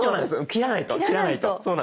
切らないと切らないと。